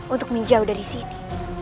untuk menjauh dari sini